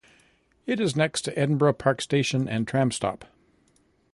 It is next to Edinburgh Park station and tram stop.